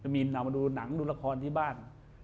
มีนเรามาดูหนังดูละครที่บ้าน